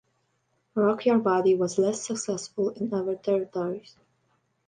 "Rock Your Body" was less successful in other territories.